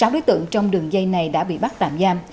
sáu đối tượng trong đường dây này đã bị bắt tạm giam